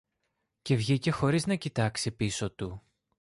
Και βγήκε χωρίς να κοιτάξει πίσω του.